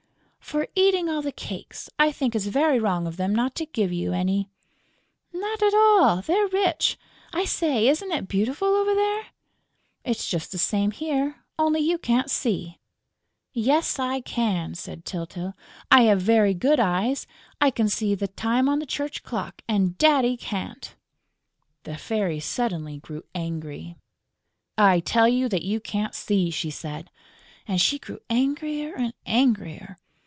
"For eating all the cakes. I think it's very wrong of them not to give you any." "Not at all; they're rich!... I say, isn't it beautiful over there?" "It's just the same here, only you can't see...." "Yes, I can," said Tyltyl. "I have very good eyes. I can see the time on the church clock; and Daddy can't!" The Fairy suddenly grew angry: "I tell you that you can't see!" she said. And she grew angrier and angrier.